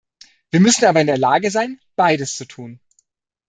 Wir müssen aber in der Lage sein, beides zu tun.